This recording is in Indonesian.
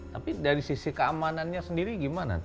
tapi dari sisi keamanannya sendiri gimana